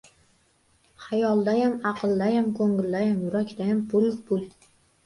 Xayoldayam, aqldayam, ko‘ngildayam-yurakdayam pul, pul.